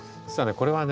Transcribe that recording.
これはね